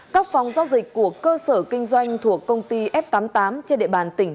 các phòng giao dịch của cơ sở kinh doanh thuộc công ty f tám mươi tám trên địa bàn tỉnh